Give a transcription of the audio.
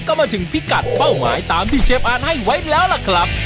ก็มาถึงพิกัดเป้าหมายตามที่เชฟอาร์ตให้ไว้แล้วล่ะครับ